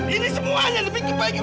ini semuanya demi kebaikan kamu